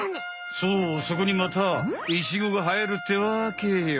そうそこにまたイチゴがはえるってわけよ。